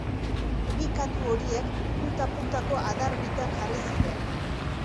Bi katu horiek punta-puntako adar bitan jarri ziren